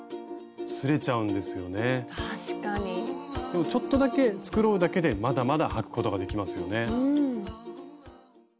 でもちょっとだけ繕うだけでまだまだ履くことができますよね。